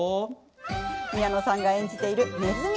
宮野さんが演じる、ねずみ。